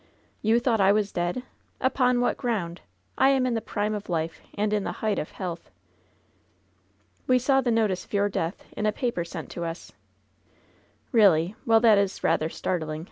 "You thought I was dead ! Upon what ground ? I am in the prime of life, and in the height of health.'' 90 LOVE'S BITTEREST CUP "We saw the notice of your death in a paper sent to lis." "Eeally? Well, that is rather startling.